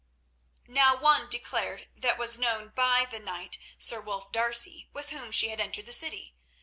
Now one declared that was known by the knight, Sir Wulf D'Arcy, with whom she had entered the city.